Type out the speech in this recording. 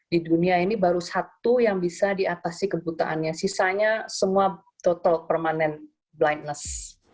di dunia ini baru satu yang bisa diatasi kebutaannya sisanya semua total permanent blitness